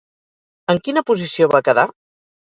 En quina posició va quedar?